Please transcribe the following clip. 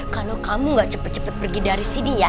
kalo kamu gak cepet cepet pergi dari sini ya